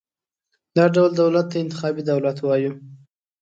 دا ډول دولت ته انتخابي دولت وایو.